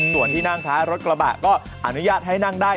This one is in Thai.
ส่วนที่นั่งท้ายรถกระบะก็อนุญาตให้นั่งได้